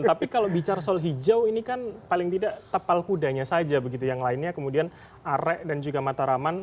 tapi kalau bicara soal hijau ini kan paling tidak tapal kudanya saja begitu yang lainnya kemudian arek dan juga mataraman